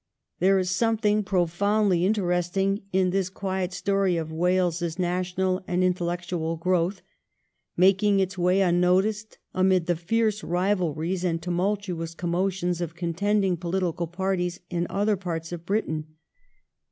There is something profoundly interesting in this quiet story of Wales's national and intellectual growth making its way unnoticed amid the fierce rivalries and tumultuous commotions of contending political parties in other parts of Britain.